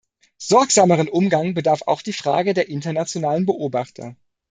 Sorgsameren Umgang bedarf auch die Frage der internationalen Beobachter.